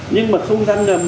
nhưng mà không gian ngầm